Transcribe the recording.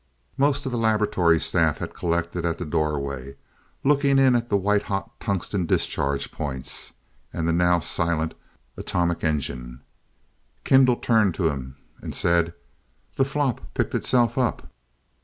Most of the laboratory staff had collected at the doorway, looking in at the white hot tungsten discharge points, and the now silent "atomic engine." Kendall turned to them and said: "The flop picked itself up.